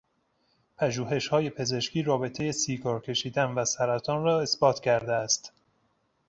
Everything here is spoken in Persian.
پژوهشهای پزشکی رابطهی سیگار کشیدن و سرطان را اثبات کرده است.